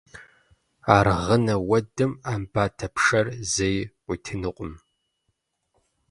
Аргъынэ уэдым Ӏэмбатэ пшэр зэи къуитынукъым.